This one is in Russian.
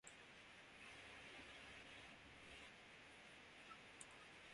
Петр Степанович на этот раз не промедлил; он пришел с Толкаченкой.